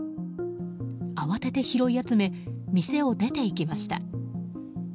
慌てて拾い集め店を出て行きました。